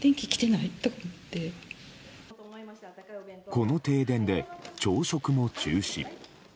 この停電で朝食も中止。